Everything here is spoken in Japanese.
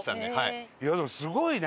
伊達：でも、すごいね！